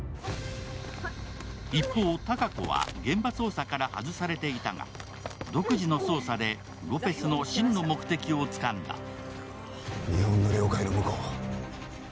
一方、隆子は現場捜査から外されていたが独自の捜査でロペスの真の目的をつかんだ。